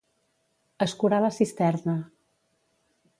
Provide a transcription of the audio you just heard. Escurar la cisterna.